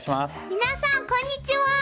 皆さんこんにちは！